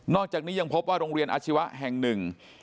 อกจากนี้ยังพบว่าโรงเรียนอาชีวะแห่งหนึ่ง